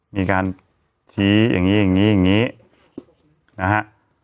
มีการชี้อย่างนี้นะฮะ